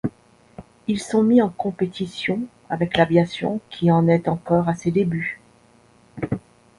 Ils sont mis en compétition avec l'aviation qui en est encore à ses débuts.